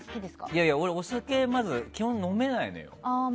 いやいや、俺はお酒、基本飲めないのよ。